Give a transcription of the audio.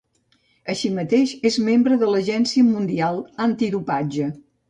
Així mateix és membre de l'Agència Mundial Antidopatge.